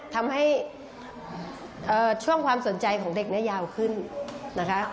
ทำให้ช่วงความสนใจของเด็กเนี่ยยาวขึ้นนะคะ